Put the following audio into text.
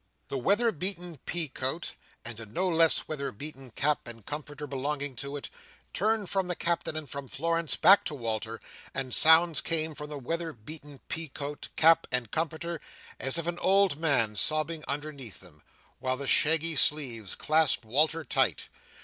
The weather beaten pea coat, and a no less weather beaten cap and comforter belonging to it, turned from the Captain and from Florence back to Walter, and sounds came from the weather beaten pea coat, cap, and comforter, as of an old man sobbing underneath them; while the shaggy sleeves clasped Walter tight.